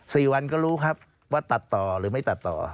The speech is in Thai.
สี่วันก็รู้ครับว่าตัดต่อหรือไม่ตัดต่อ